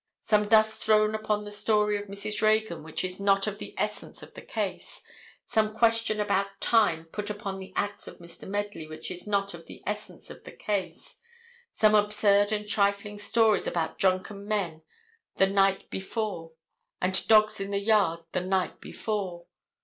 Some dust thrown upon the story of Mrs. Reagan which is not of the essence of the case, some question about time put upon the acts of Mr. Medley which is not of the essence of the case; some absurd and trifling stories about drunken men the night before and dogs in the yard the night before.